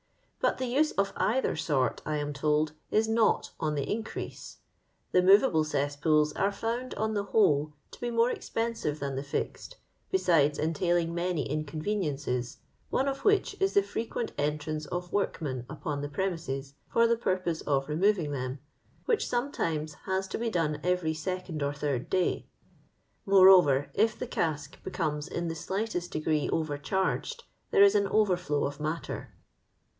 But the use of either sort, I am told, is not on the increase. The movable oess pools arc found, on the whole, to be more expensive than the fixed, besides entailing many inconveniences, one of which is the frequent enti*ance of workmen upon the pre mises for the purpose of removing them, which sometimes has to be done every seoond or third day. Moreover, if the cask becomes in the slightest degree overcharged, there is an overflow of matter."